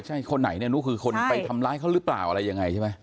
ใช่คนไหนเนี่ยรู้คือคนไปทำร้ายเขาหรือเปล่าอะไรยังไงใช่ไหม